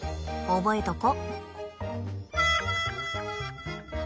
覚えとこ。